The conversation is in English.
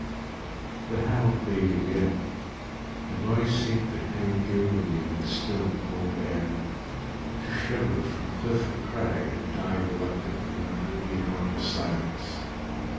The hound bayed again. The noise seemed to hang eerily in the still, cold air; to shiver from cliff and crag and die reluctantly under the enormous silence.